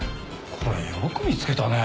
これよく見つけたね。